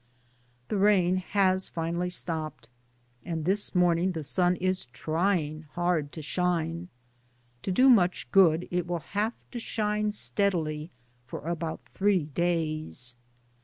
The rain has finally stopped and this morning the sun is trying hard to shine. ' To do much good it will have to shine steadily for about three days.